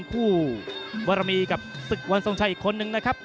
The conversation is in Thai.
คู่บรมีกับศึกวันทรงชัยอีกคนนึงนะครับ